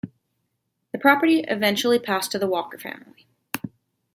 The property eventually passed to the Walker family.